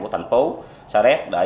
thành phố sa rét